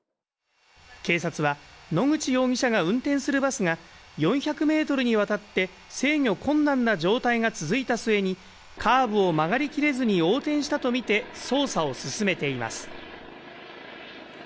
警察は野口容疑者が運転するバスが４００ｍにわたって制御困難な状態が続いた末にカーブを曲がり切れずに横転したとみて捜査を進めています。